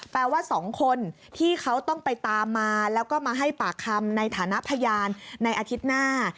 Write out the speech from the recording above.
แปลว่า๒คนที่เขาต้องไปตามมาแล้วก็มาให้ปากคำในฐานะพยานในอาทิตย์หน้า